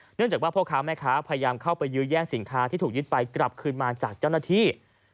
เนื่องจากว่าพ่อค้าแม่ค้าพยายามเข้าไปยื้อแย่งสินค้าที่ถูกยึดไปกลับคืนมาจากเจ้าหน้าที่